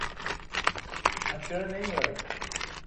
پس چرا نمیآیی؟